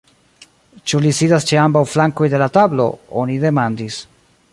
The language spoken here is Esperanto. Ĉu li sidas ĉe ambaŭ flankoj de la tablo, oni demandis.